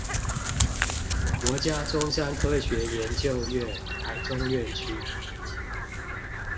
國家中山科學研究院臺中院區